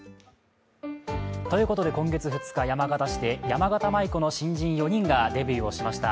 ということで今月２日山形市でやまがた舞子の新人４人がデビューしました。